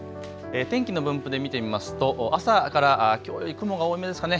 天気の分布で見てみますと朝からきょうより雲が多めですかね。